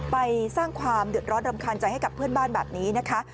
ไปสร้างความเดือดร้อนรำคาญใจให้กับเพื่อนบ้านแบบนี้นะคะ